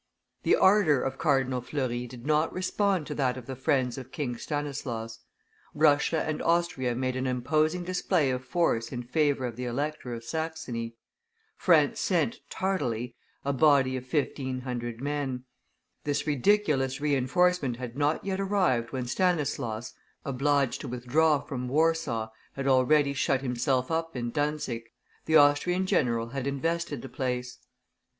The ardor of Cardinal Fleury did not respond to that of the friends of King Stanislaus. Russia and Austria made an imposing display of force in favor of the Elector of Saxony; France sent, tardily, a body of fifteen hundred men; this ridiculous re enforcement had not yet arrived when Stanislaus, obliged to withdraw from Warsaw, had already shut himself up in Dantzic. The Austrian general had invested the place.